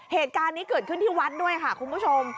เหตุการณ์นี้เกิดขึ้นที่วัดด้วยค่ะคุณผู้ชม